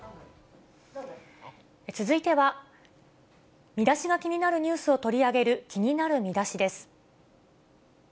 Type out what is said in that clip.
続いては、ミダシが気になるニュースを取り上げる、気になるミダシです。